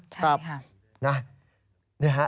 ใช่ค่ะ